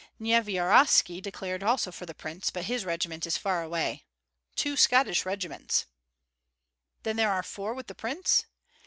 Nyevyarovski declared also for the prince, but his regiment is far away, two Scottish regiments." "Then there are four with the prince?"